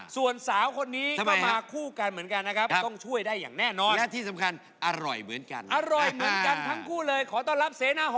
ส่วนสาวคนนี้มาคู่กันเหมือนกันนะครับ